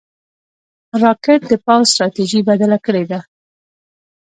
راکټ د پوځ ستراتیژي بدله کړې ده